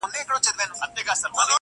انارکلي اوښکي دي مه تویوه.!